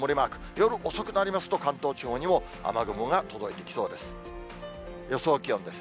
夜遅くなりますと、関東地方にも雨雲が届いてきそうです。